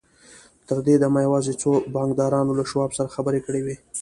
تر دې دمه يوازې څو بانکدارانو له شواب سره خبرې کړې وې.